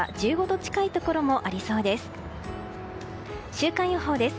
週間予報です。